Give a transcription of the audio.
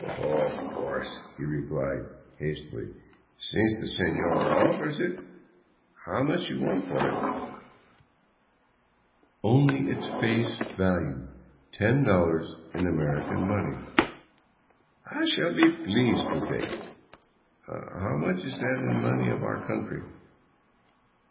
..."" Oh, of course," he replied, hastily, " since the senor offers it. How much do you want for it ?''" Only its face value ; ten dollars in American money." " I shall be pleased to take it. How much is that in our money of the country